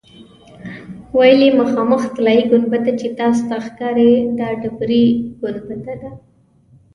ویل یې مخامخ طلایي ګنبده چې تاسو ته ښکاري دا ډبرې ګنبده ده.